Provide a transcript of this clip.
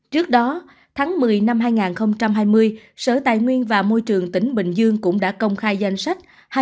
trước đó tháng một mươi năm hai nghìn hai mươi sở tài nguyên và môi trường tỉnh bình dương cũng đã công khai danh sách